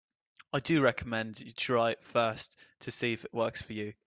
I do recommend you try it first to see if it works for you.